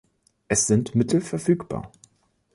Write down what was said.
Es sind Mittel verfügbar.